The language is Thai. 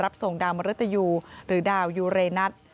ส่งดาวมริตยูหรือดาวยูเรนัท